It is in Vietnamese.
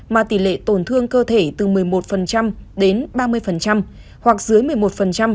mà tỷ lệ tổn thương cơ thể từ một mươi một đến ba mươi hoặc dưới một mươi một